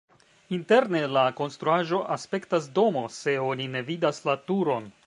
Interne la konstruaĵo aspektas domo, se oni ne vidas la turon.